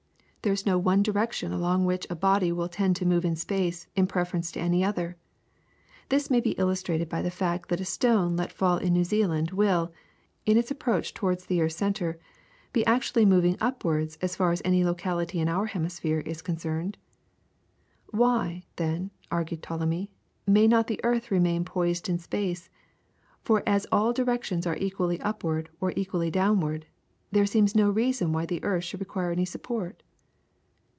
There is no one direction along which a body will tend to move in space, in preference to any other. This may be illustrated by the fact that a stone let fall at New Zealand will, in its approach towards the earth's centre, be actually moving upwards as far as any locality in our hemisphere is concerned. Why, then, argued Ptolemy, may not the earth remain poised in space, for as all directions are equally upward or equally downward, there seems no reason why the earth should require any support?